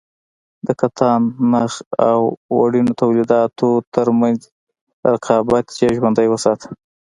د کتان- نخ او وړینو تولیداتو ترمنځ رقابت یې ژوندی وساته.